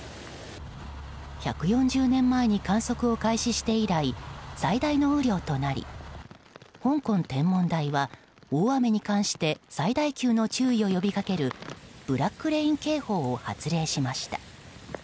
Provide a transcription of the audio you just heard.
１４０年前に観測を開始して以来最大の雨量となり香港天文台は大雨に関して最大級の注意を呼びかけるブラックレイン警報を発令しました。